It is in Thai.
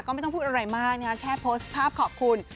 ก็ไม่ต้องพูดอะไรมากแค่โพสต์ภาพขอบคุณ